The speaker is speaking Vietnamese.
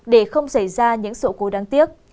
để không xảy ra những sự cố đáng tiếc